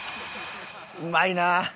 うまいな。